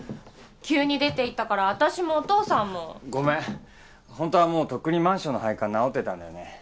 急に出て行ったから私もお父さんもごめんホントはもうとっくにマンションの配管直ってたんだよね